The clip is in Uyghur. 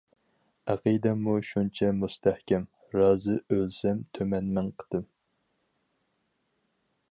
ئەقىدەممۇ شۇنچە مۇستەھكەم، رازى ئۆلسەم تۈمەنمىڭ قېتىم.